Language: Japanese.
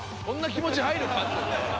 そんな気持ち入るか？